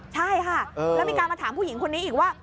ใช่ค่ะแล้วมีการมาถามผู้หญิงคนนี้อีกว่า